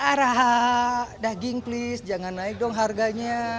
araha daging please jangan naik dong harganya